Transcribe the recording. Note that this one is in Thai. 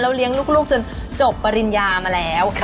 เลี้ยงลูกจนจบปริญญามาแล้ว